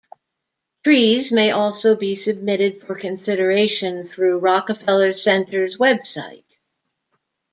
Trees may also be submitted for consideration through Rockefeller Center's web site.